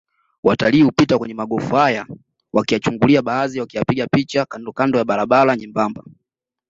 Watalii hupita kwenye magofu haya wakiyachungulia baadhi wakiyapiga picha kandokando ya barabara nyembamba